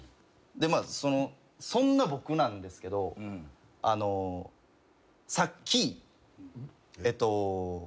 まあそのそんな僕なんですけどあのさっきえっと。